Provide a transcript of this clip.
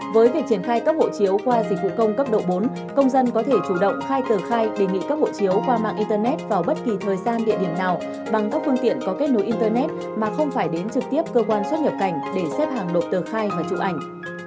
với việc triển khai cấp hộ chiếu qua dịch vụ công cấp độ bốn công dân có thể chủ động khai tờ khai đề nghị cấp hộ chiếu qua mạng internet vào bất kỳ thời gian địa điểm nào bằng các phương tiện có kết nối internet mà không phải đến trực tiếp cơ quan xuất nhập cảnh để xếp hàng nộp tờ khai và chụp ảnh